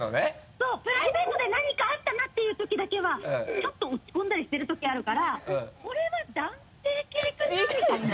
そうプライベートで何かあったなっていうときだけはちょっと落ち込んだりしてるときあるからこれは男性系かな？みたいな。